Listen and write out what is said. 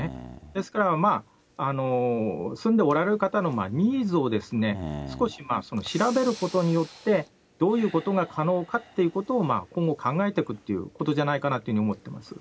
ですから、住んでおられる方のニーズを少し調べることによって、どういうことが可能かっていうことを、今後考えていくということじゃないかなというふうに思ってます。